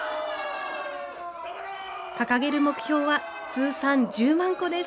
掲げる目標は通算１０万個です。